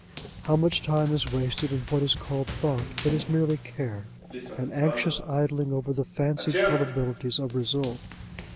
How much time is wasted in what is called thought, but is merely care an anxious idling over the fancied probabilities of result!